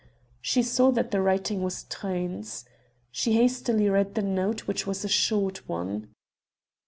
She saw that the writing was Truyn's. She hastily read the note which was a short one.